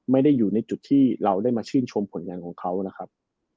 ไม่ได้อยู่ในจุดที่เราได้มาชื่นชมผลงานของเขานะครับ